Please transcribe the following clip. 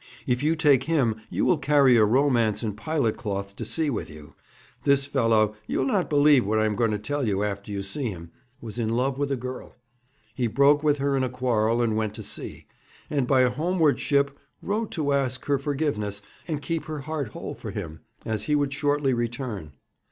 If you take him you will carry a romance in pilot cloth to sea with you. This fellow you will not believe what I am going to tell you after you see him was in love with a girl. He broke with her in a quarrel, and went to sea, and by a homeward ship wrote to ask her forgiveness and keep her heart whole for him, as he would shortly return.